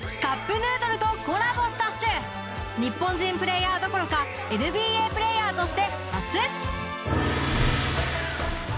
日本人プレイヤーどころかＮＢＡプレイヤーとして初！